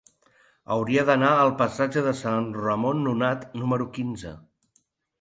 Hauria d'anar al passatge de Sant Ramon Nonat número quinze.